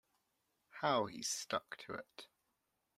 How he stuck to it!